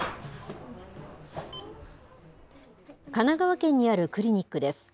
神奈川県にあるクリニックです。